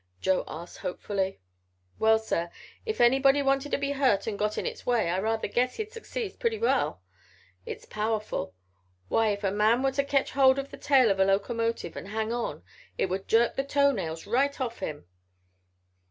Joe asked hopefully. "Well, sir, if anybody wanted to be hurt and got in its way, I rather guess he'd succeed purty well. It's powerful. Why, if a man was to ketch hold of the tail of a locomotive, and hang on, it would jerk the toe nails right off him."